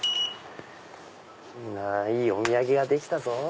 いいお土産ができたぞ。